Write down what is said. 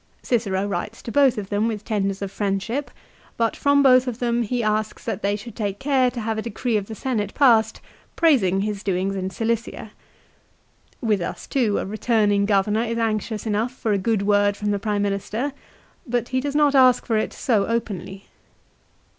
Cicero writes to both of them B c so w ^ n tenders of friendship ; but from both of them he aetat. 57. as k s ^at they should take care to have a decree of the Senate passed praising his doings in Cilicia. 1 "With us, too, a returning governor is anxious enough for a good word from the Prime Minister ; but he does not ask for it so openly.